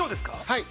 ◆はい。